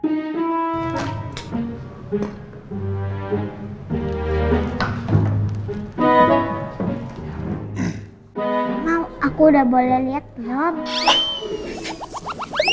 mama aku udah boleh lihat belum